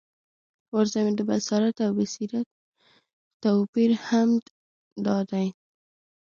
ورته ومي د بصارت او بصیرت توپیر همد دادی،